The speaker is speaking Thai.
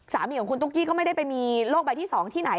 สามีของคุณตุ๊กกี้ก็ไม่ได้ไปมีโรคใบที่๒ที่ไหน